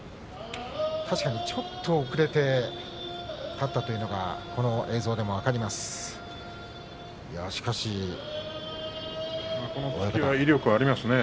確かにちょっと遅れて立ったというのが映像でも分かります。